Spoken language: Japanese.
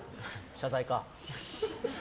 謝罪か。